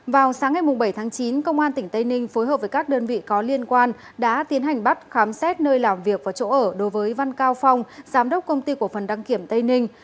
vào sáng ngày bảy tháng chín công an tỉnh tây ninh phối hợp với các đơn vị có liên quan đã tiến hành bắt khám xét nơi làm việc và chỗ ở đối với văn cao phong giám đốc công ty của phần đăng kiểm tây ninh